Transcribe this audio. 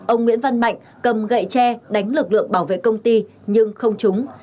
ông nguyễn văn mạnh cầm gậy tre đánh lực lượng bảo vệ công ty nhưng không trúng